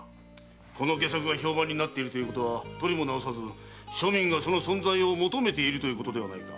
この戯作が評判になっているのは取りも直さず庶民がその存在を求めているということではないか。